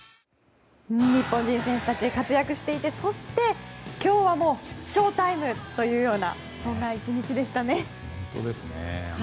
日本人選手たち活躍していてそして、今日はショウタイムというような１日でしたね。